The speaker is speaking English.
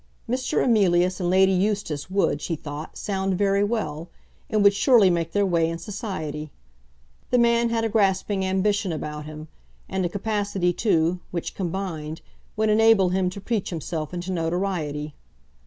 Mr. Emilius and Lady Eustace would, she thought, sound very well, and would surely make their way in society. The man had a grasping ambition about him, and a capacity, too, which, combined, would enable him to preach himself into notoriety.